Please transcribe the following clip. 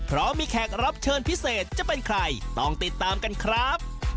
เพราะมีแขกรับเชิญพิเศษจะเป็นใครต้องติดตามกันครับ